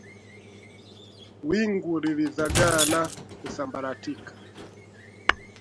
Wingu lilizagaa na kusambaratika